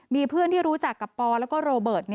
มีเพื่อนที่รู้จักกับปอแล้วก็โรเบิร์ต